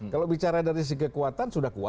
kalau bicara dari segi kekuatan sudah kuat